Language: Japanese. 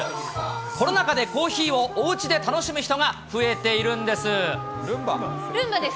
コロナ禍でコーヒーをおうちで楽しむ人が増えているんです。